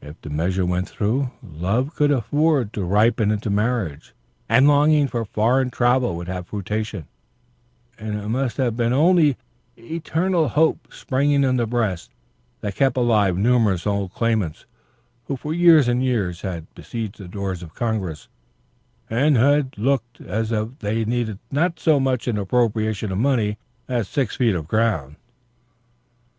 If the measure went through, love could afford to ripen into marriage, and longing for foreign travel would have fruition; and it must have been only eternal hope springing in the breast that kept alive numerous old claimants who for years and years had besieged the doors of Congress, and who looked as if they needed not so much an appropriation of money as six feet of ground.